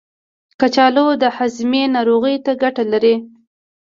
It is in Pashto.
کچالو د هاضمې ناروغیو ته ګټه لري.